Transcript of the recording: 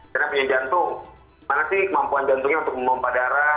karena punya jantung mana sih kemampuan jantungnya untuk memompa darah